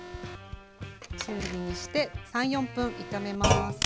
中火にして３４分炒めます。